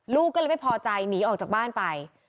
ลูกก็เลยไม่พอใจหนีออกจากบ้านไป